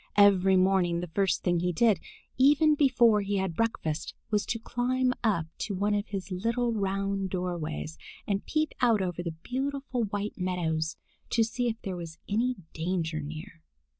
Every morning the first thing he did, even before he had breakfast, was to climb up to one of his little round doorways and peep out over the beautiful white meadows, to see if there was any danger near.